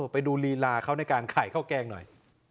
ไปดูลีลาเขาในการไข่ข้าวแกงหน่อย